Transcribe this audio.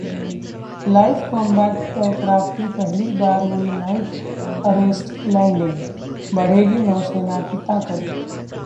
light combat aircraft की पहली बार हुई नाइट अरेस्ट लैंडिंग, बढ़ेगी नौसेना की ताकत